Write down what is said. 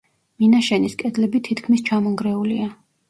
მინაშენის კედლები თითქმის ჩამონგრეულია.